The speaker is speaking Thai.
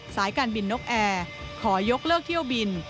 สายการบินนกแอร์ขอยกเลิกเที่ยวบิน